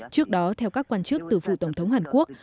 trước đó theo các quan chức từ vụ tổng thống hàn quốc